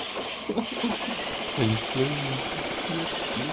Se usaron los cristales más grandes posibles.